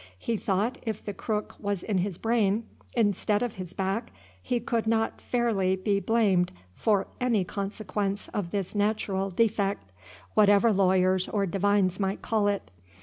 He thought if the crook was in his brain, instead of his back, he could not fairly be blamed for any consequence of this natural defect, whatever lawyers or divines might call it.